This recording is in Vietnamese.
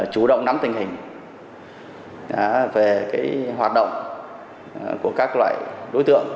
chủ động nắm tình hình về hoạt động của các loại đối tượng